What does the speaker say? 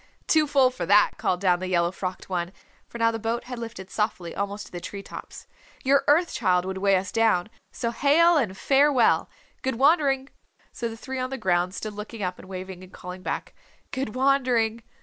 "Too full for that," called down the yellow frocked one, for now the boat had lifted softly almost to the tree tops. "Your Earth Child would weigh us down. So hail and farewell. Good wandering!" So the three on the ground stood looking up and waving and calling back, "Good wandering!"